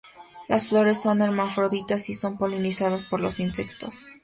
Las flores son hermafroditas y son polinizadas por los insectos.